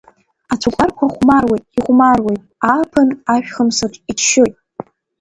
Ацәыкәбарқәа хәмаруеит, ихәмаруеит, ааԥын ашәхымсаҿ иччоит.